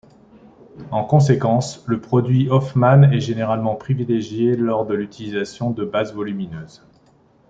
En conséquence, le produit Hofmann est généralement privilégié lors de l’utilisation de bases volumineuses.